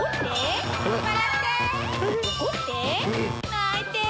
泣いて！